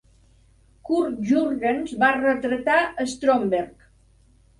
Curt Jurgens va retratar a Stromberg.